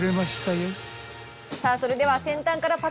さあそれでは。